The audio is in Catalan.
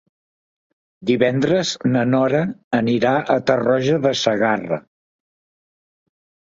Divendres na Nora anirà a Tarroja de Segarra.